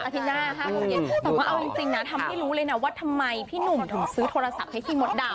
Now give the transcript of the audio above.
แต่เอาจริงนะทำให้รู้เลยนะว่าทำไมพี่หนุ่มถึงซื้อโทรศัพท์ให้พี่หมดดำ